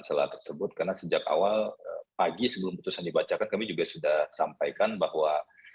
salah tersebut karena sejak awal pagi sebelum putusan dibacakan kami juga sudah sampaikan bahwa